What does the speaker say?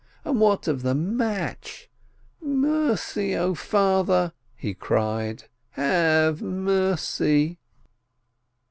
And what of the match? "Mercy, 0 Father," he cried, "have mercy